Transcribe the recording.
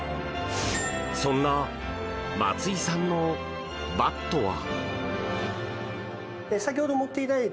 そんな松井さんのバットは。